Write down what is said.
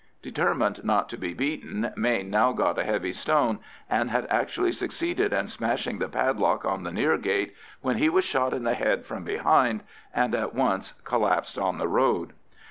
Determined not to be beaten, Mayne now got a heavy stone, and had actually succeeded in smashing the padlock on the near gate, when he was shot in the head from behind, and at once collapsed on the road.